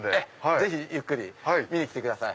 ぜひゆっくり見に来てください。